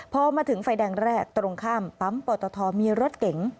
พอมาถึงไฟแดงแรกตรงข้ามปั๊มปอตทมีรถเก๋ง